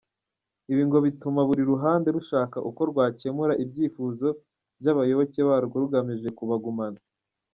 Ibi ngo bituma buri ruhande rushaka uko rwakemura ibyifuzo by’abayoboke barwo rugamije kubagumana.